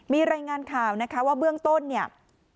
มีรายงานข่าวนะคะว่าเบื้องต้นเนี่ย